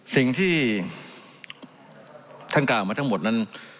สิ่งที่ท่านกล่าวมาทั้งหมดนั้น